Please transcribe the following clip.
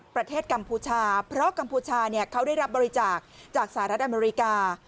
กัมพูชาเพราะกัมพูชาเขาได้รับบริจาคจากสหรัฐอเมริกา